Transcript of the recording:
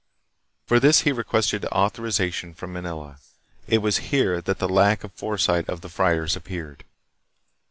For this he requested authorization from Manila. It was here that the lack of foresight of the friars appeared.